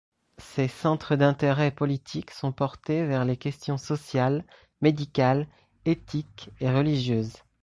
Ses centres d'intérêt politiques sont portés vers les questions sociales, médicales, éthiques et religieuses.